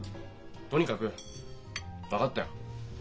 とにかく分かったよ。